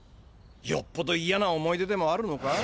よっぽどいやな思い出でもあるのか？